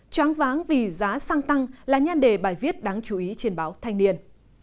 tráng váng vì giá xăng tăng là nhan đề bài viết đáng chú ý trên báo thanh niên